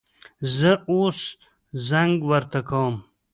زه اوس زنګ ورته کوم